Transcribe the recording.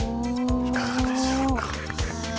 いかがでしょうか？